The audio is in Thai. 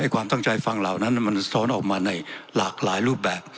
ความตั้งใจฟังเหล่านั้นมันซ้อนออกมาในหลากหลายรูปแบบ